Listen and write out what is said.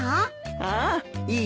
ああいいよ。